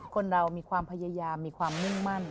คนเรามีความพยายามมีความมุ่งมั่น